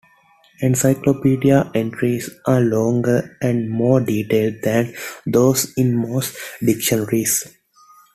Encyclopedia entries are longer and more detailed than those in most dictionaries.